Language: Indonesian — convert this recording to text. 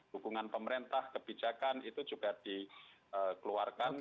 dukungan pemerintah kebijakan itu juga dikeluarkan